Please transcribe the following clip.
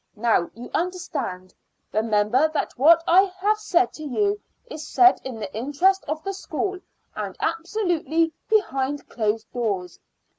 Now you understand. Remember that what I have said to you is said in the interest of the school, and absolutely behind closed doors.